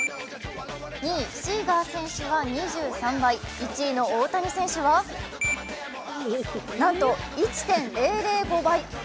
２位・シーガー選手は２３倍、１位の大谷選手はなんと１．００５倍。